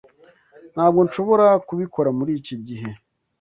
Ntabwo nshobora kubikora muri iki gihe.